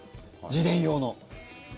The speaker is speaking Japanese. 自伝用の。